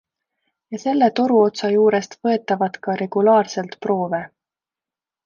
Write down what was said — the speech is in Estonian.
Ja selle toruotsa juurest võetavat ka regulaarselt proove.